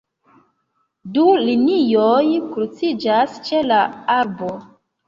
Du linioj kruciĝas ĉe la arbo.